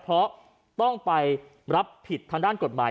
เพราะต้องไปรับผิดทางด้านกฎหมาย